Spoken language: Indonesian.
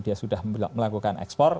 dia sudah melakukan ekspor